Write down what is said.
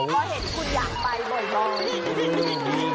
เพราะเห็นคุณอยากไปบ่อย